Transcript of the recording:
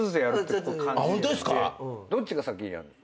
どっちが先にやるの？